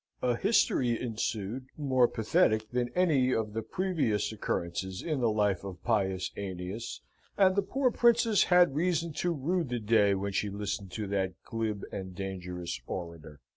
A history ensued, more pathetic than any of the previous occurrences in the life of Pius Aeneas, and the poor princess had reason to rue the day when she listened to that glib and dangerous orator.